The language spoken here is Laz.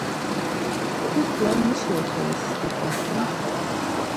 Kukla mişi oxoris skidasen?